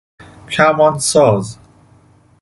کمان ساز